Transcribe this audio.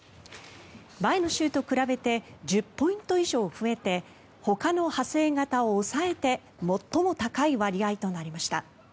前の週と比べて１０ポイント以上増えてほかの派生型を抑えて最も高い割合となりました。